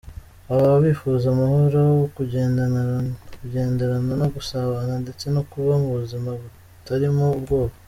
Baba bifuza amahoro, kugenderana no gusabana ndetse no kuba mu buzima butarimo ubwoba.